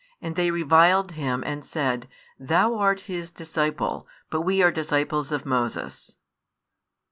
28 And they reviled him, and said, Thou art His disciple; but we are disciples of Moses.